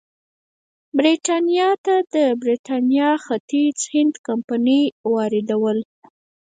برېټانیا ته د برېټانیا ختیځ هند کمپنۍ واردول.